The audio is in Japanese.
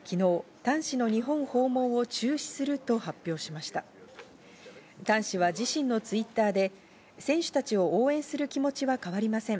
タン氏は自身のＴｗｉｔｔｅｒで選手たちを応援する気持ちは変わりません。